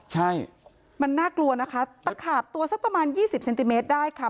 ใช่มันน่ากลัวนะคะตะขาบตัวสักประมาณยี่สิบเซนติเมตรได้ค่ะ